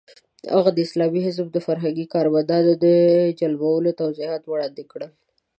هغه د اسلامي حزب د فرهنګي کارمندانو د جلبولو توضیحات وړاندې کړل.